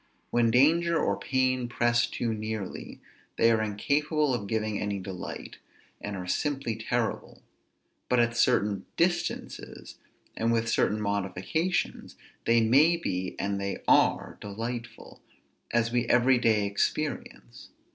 When danger or pain press too nearly, they are incapable of giving any delight, and are simply terrible; but at certain distances, and with certain modifications, they may be, and they are, delightful, as we every day experience.